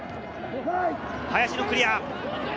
林のクリア。